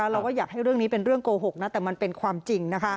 เราก็อยากให้เรื่องนี้เป็นเรื่องโกหกนะแต่มันเป็นความจริง